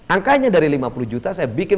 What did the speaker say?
angkanya dari lima puluh juta saya bikin